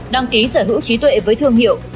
đăng ký sở hữu trí tuệ với thương hiệu